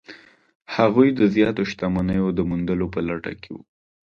هغوی د زیاتو شتمنیو د موندلو په لټه کې وو.